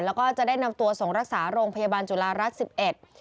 แล้วก็จะได้นำตัวส่งรักษารงค์พยาบาลจุฬารัชน์๑๑